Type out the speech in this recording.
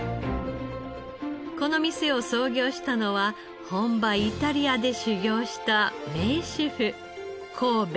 この店を創業したのは本場イタリアで修業した名シェフ神戸勝彦さんです。